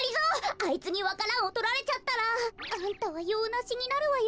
あいつにわか蘭をとられちゃったらあんたはようなしになるわよ。